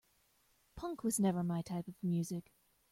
Punk was never my type of music.